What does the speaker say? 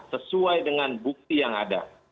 sesuai dengan bukti yang ada